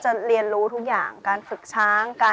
ชื่องนี้ชื่องนี้ชื่องนี้ชื่องนี้ชื่องนี้